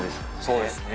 そうですね。